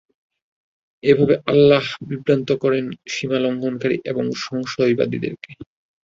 এভাবে আল্লাহ বিভ্রান্ত করেন সীমালংঘনকারী ও সংশয়বাদীদেরকে।